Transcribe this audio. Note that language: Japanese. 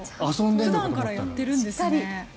普段からやってるんですね。